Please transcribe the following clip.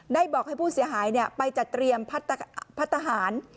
ได้บอกให้ผู้เสียหายเนี่ยไปจัดเตรียมพัฒนาพัฒนาหาร